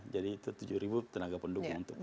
jadi itu tujuh ribu tenaga pendukung